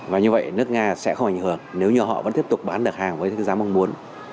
và như vậy nước nga sẽ không ảnh hưởng nếu như họ vẫn tiếp tục bán được hàng với giá mong muốn